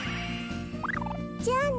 じゃあね。